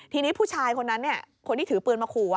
ทีนี้ผู้ชายคนนั้นคนที่ถือปืนมาขู่